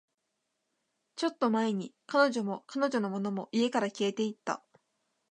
ちょっと前に、彼女も、彼女のものも、家から消えていった